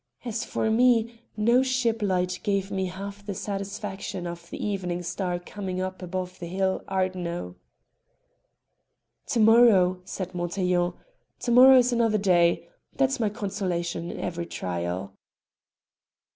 As for me, no ship light gave me half the satisfaction of the evening star coming up above the hill Ardno." "To morrow," said Montaiglon "to morrow is another day; that's my consolation in every trial."